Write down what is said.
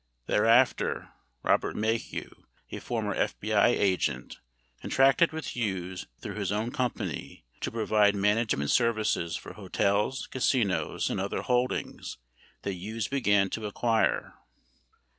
Thereafter, Robert Maheu, a former FBI agent, contracted with Hughes through his own company to provide management services for hotels, casinos, and other holdings that Hughes began to acquire.